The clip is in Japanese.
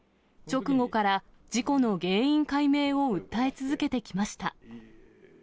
直後から事故の原因解明を訴え続けてきました。